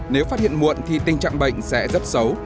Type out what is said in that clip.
nếu phát hiện muộn thì tình trạng bệnh sẽ rất xấu